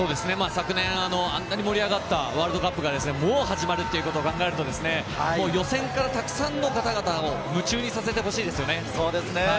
昨年、あんなに盛り上がったワールドカップがもう始まるっていうことを考えると予選からたくさんの方々を夢中にさせてほしいですね。